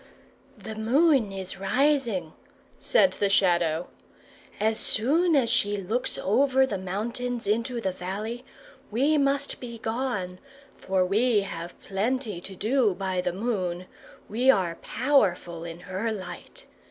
"The moon is rising," said the Shadow. "As soon as she looks over the mountains into the valley, we must be gone, for we have plenty to do by the moon; we are powerful in her light.